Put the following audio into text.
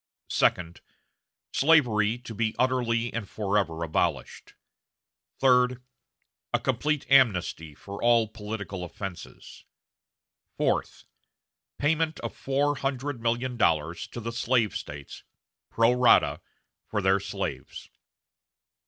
Second. Slavery to be utterly and forever abolished. Third. A complete amnesty for all political offenses. Fourth. Payment of four hundred million dollars to the slave States, pro rata, for their slaves.